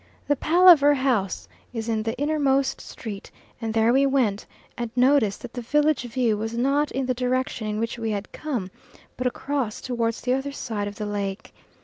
The palaver house is in the innermost street, and there we went, and noticed that the village view was not in the direction in which we had come, but across towards the other side of the lake.